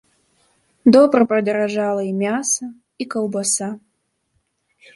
Добра падаражала і мяса, і каўбаса.